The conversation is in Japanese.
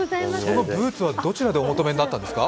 そのブーツはどちらでお求めになったんですか？